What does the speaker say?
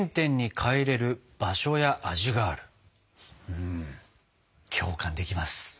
うん共感できます。